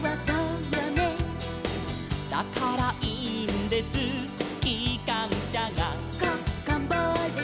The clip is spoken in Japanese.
「だからいいんですきかんしゃが」